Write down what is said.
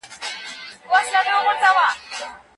خدیجې په ډېرې لورېنې سره خپله لور خونې ته د ننه را وبلله.